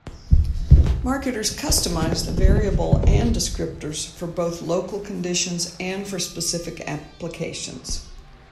Marketers customize the variable and descriptors for both local conditions and for specific applications.